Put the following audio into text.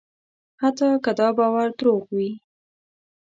حتی که دا باور دروغ وي.